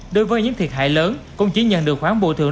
đối với những thiệt hại lớn cũng chỉ nhận được khoảng bù thường